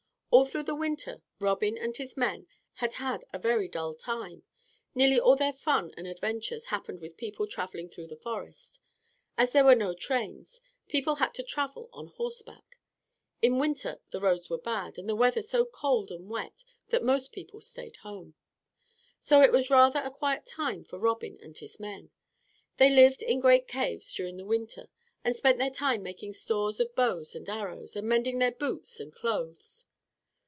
All through the winter Robin and his men had had a very dull time. Nearly all their fun and adventures happened with people traveling through the forest. As there were no trains, people had to travel on horseback. In winter the roads were bad, and the weather so cold and wet, that most people stayed at home. So it was rather a quiet time for Robin and his men. They lived in great caves during the winter, and spent their time making stores of bows and arrows, and mending their boots and clothes.